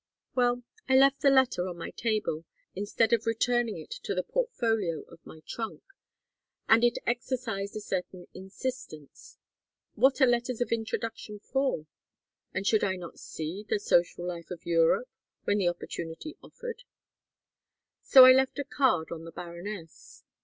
"Well, I left the letter on my table, instead of returning it to the portfolio of my trunk, and it exercised a certain insistence. What are letters of introduction for? And should I not see the social life of Europe when the opportunity offered? So I left a card on the baroness.